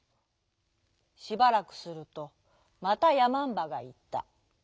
しばらくするとまたやまんばがいった。